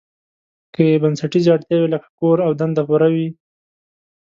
که یې بنسټیزې اړتیاوې لکه کور او دنده پوره وي.